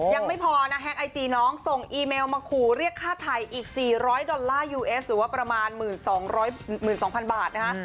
ยังไม่พอนะแก๊กไอจีน้องส่งอีเมลมาขู่เรียกค่าไทยอีก๔๐๐ดอลลาร์ยูเอสหรือว่าประมาณ๑๒๐๐๐บาทนะคะ